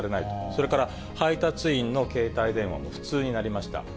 それから配達員の携帯電話も不通になりました。